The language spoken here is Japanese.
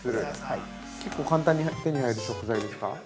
◆結構簡単に手に入る食材ですか。